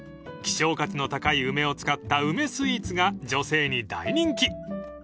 ［希少価値の高い梅を使った梅スイーツが女性に大人気］